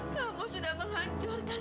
kamu sudah menghancurkan